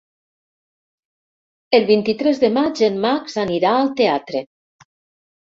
El vint-i-tres de maig en Max anirà al teatre.